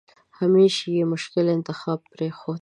همېش یې مشکل انتخاب پرېښوده.